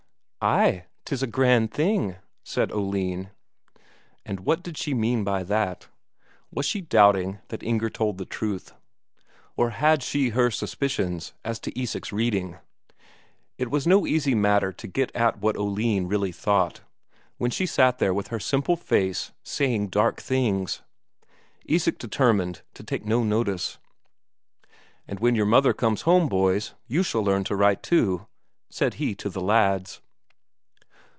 "Ay, 'tis a grand thing," said Oline. And what did she mean by that? Was she doubting that Inger told the truth? Or had she her suspicions as to Isak's reading? It was no easy matter to get at what Oline really thought, when she sat there with her simple face, saying dark things. Isak determined to take no notice. "And when your mother comes home, boys, you shall learn to write too," said he to the lads.